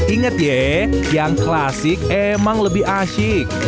ingat ye yang klasik emang lebih asyik